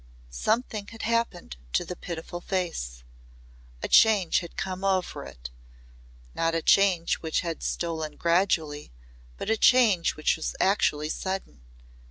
Something had happened to the pitiful face. A change had come over it not a change which had stolen gradually but a change which was actually sudden.